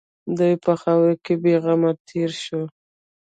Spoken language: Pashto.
دوی په خاوره کې بېغمه تېر شي.